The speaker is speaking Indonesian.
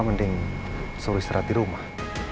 mending selalu istirahat di rumah